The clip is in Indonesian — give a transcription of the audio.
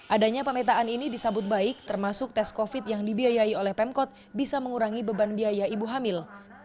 adanya pemetaan ini disambut baik termasuk tes covid yang dibiayai oleh pemkot bisa mengurangi beban biaya ibu hamil